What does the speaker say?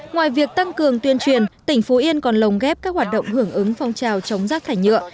ngoài việc tăng cường tuyên truyền tỉnh phú yên còn lồng ghép các hoạt động hưởng ứng phong trào chống rác thải nhựa